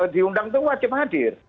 diundang itu wajib hadir